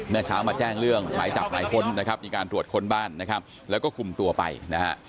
เมื่อเช้ามาแจ้งเรื่องหมายจับหมายค้นนะครับมีการตรวจค้นบ้านนะครับแล้วก็คุมตัวไปนะฮะ